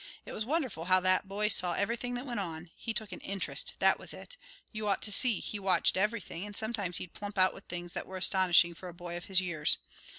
It was wonderful how that boy saw everything that went on. He took an interest, that was it. You ought to see, he watched everything, and sometimes he'd plump out with things that were astonishing for a boy of his years.